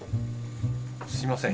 すみません